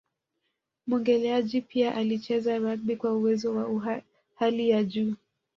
Muogeleaji pia alicheza rugby kwa uwezo wa hali ya juu